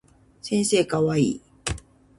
先生かわいい